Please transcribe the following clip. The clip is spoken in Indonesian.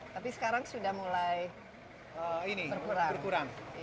tapi sekarang sudah mulai berkurang